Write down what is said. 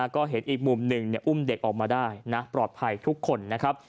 ก็เห็นอีกมุมหนึ่งอุ้มเด็กออกมาได้นะปลอดภัยทุกคนนะครับ